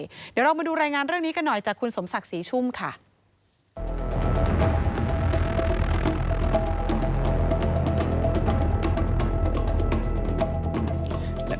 เดี๋ยวเรามาดูรายงานเรื่องนี้กันหน่อยจากคุณสมศักดิ์ศรีชุ่มค่ะ